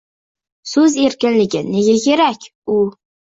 So‘z erkinligi – nega kerak u?